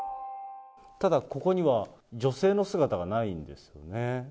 ただ、ここには女性の姿がないんですよね。